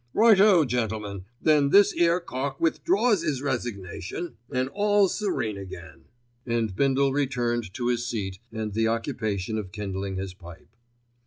"Right o, gentlemen; then this 'ere cock withdraws 'is resignation, an' all's serene again," and Bindle returned to his seat and the occupation of kindling his pipe.